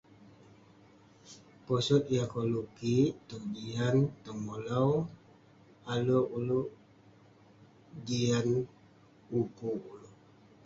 Posot yah koluk kik tong jian tong molau. Ale ulouk jian ukuk ulouk.